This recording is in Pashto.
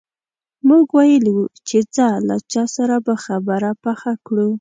موږ ویلي وو چې ځه له چا سره به خبره پخه کړو.